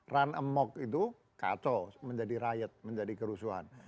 run amok itu kacau menjadi riot menjadi kerusuhan